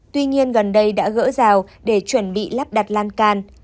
tuy nhiên gần đây đã gỡ rào để chuẩn bị lắp đặt lan can